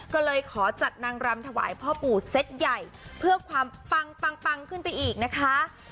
ก็เลยขอจัดนางรำถวายพ่อปู่เซ็ตใหญ่เพื่อความปังปังขึ้นไปอีกนะคะ